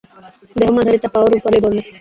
দেহ মাঝারি চাপা ও রুপালি বর্ণের।